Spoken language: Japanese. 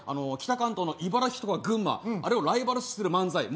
北関東の茨城とか群馬あれをライバル視する漫才